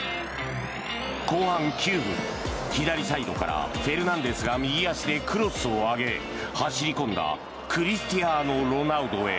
後半９分、左サイドからフェルナンデスが右足でクロスを上げ走り込んだクリスティアーノ・ロナウドへ。